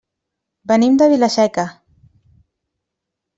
Venim de Vila-seca.